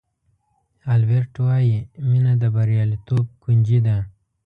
البرټ وایي مینه د بریالیتوب کونجي ده.